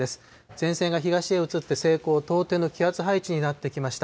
前線が東へ移って西高東低の気圧配置になってきました。